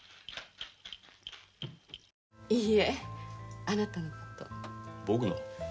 いいえあなたのこと僕の？